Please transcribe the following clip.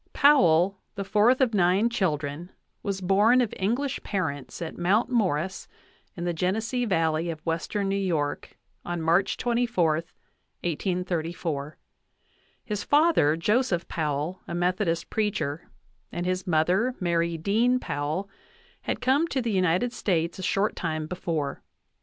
Powell, the fourth of nine children, was born of English parents at Mount Morris, in the Genesee Valley of western New York, on March 24, 1834. His father, Joseph Powell, a Methodist preacher, and his mother, Mary Dean Powell, had come to the United States a short time before.